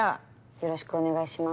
よろしくお願いします。